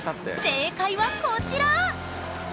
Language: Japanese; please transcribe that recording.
正解はこちら！